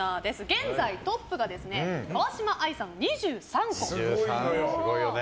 現在、トップが川嶋あいさんの２３個。